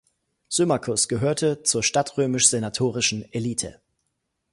Symmachus gehörte zur stadtrömisch-senatorischen Elite.